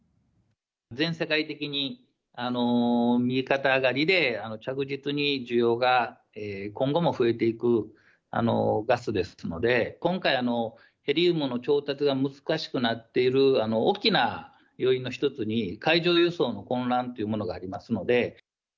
全世界的に右肩上がりで、着実に需要が今後も増えていくガスですので、今回、ヘリウムの調達が難しくなっている大きな要因の一つに、海上輸送の混乱というものがありますので。